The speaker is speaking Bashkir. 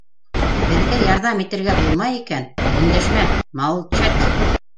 Беҙгә ярҙам итергә булмай икән, өндәшмә, молчать!